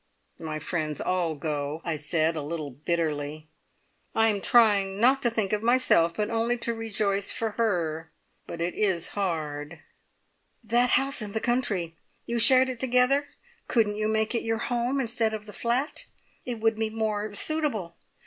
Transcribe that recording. My friends all go," I said a little bitterly. "I am trying not to think of myself, but only to rejoice for her; but it is hard!" "That house in the country! You shared it together? Couldn't you make it your home instead of the flat? It would be more suitable.